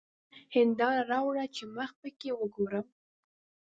هېنداره راوړه چي مخ پکښې وګورم!